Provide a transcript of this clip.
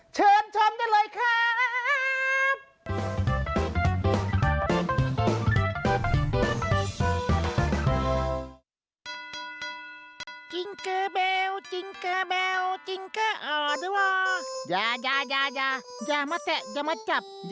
เชิญชมได้เลยครับ